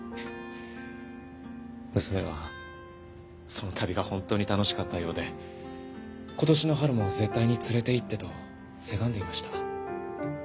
娘はその旅が本当に楽しかったようで今年の春も絶対に連れていってとせがんでいました。